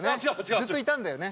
ずっといたんだよね。